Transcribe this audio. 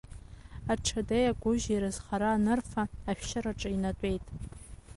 Аҽадеи агәыжьи рызхара анырфа, ашәшьыраҿы инатәеит.